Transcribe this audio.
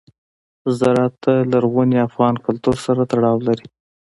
زراعت د لرغوني افغان کلتور سره تړاو لري.